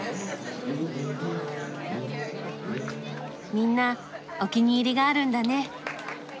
みんなお気に入りがあるんだね。